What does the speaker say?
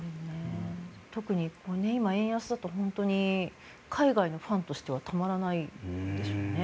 特に今、円安だと海外のファンとしてはたまらないでしょうね。